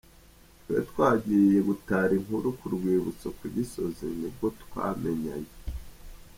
Twari twagiye gutara inkuru ku rwibutso ku gisozi, nibwo twamenyanye.